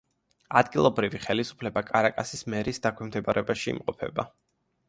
ადგილობრივი ხელისუფლება კარაკასის მერის დაქვემდებარებაში იმყოფება.